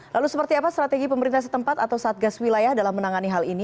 lalu seperti apa strategi pemerintah setempat atau satgas wilayah dalam menangani hal ini